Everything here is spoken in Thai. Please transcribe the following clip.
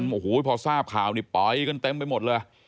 โอ้โหพอทราบข่าวนี่ปล่อยกันเต็มไปหมดเลย